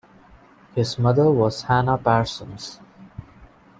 His mother was Hannah Parsons.